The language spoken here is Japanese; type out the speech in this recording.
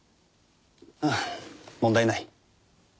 ああ問題ない。